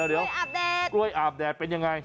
เดี๋ยวกล้วยอาบแดดเป็นอย่างไร